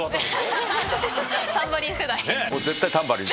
アハハタンバリン世代。